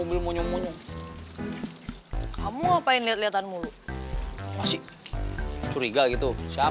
belum selesai nanti saya lanjutin lagi ya